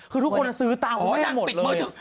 คือทุกคนจะซื้อตาคุณแม่หมดเลย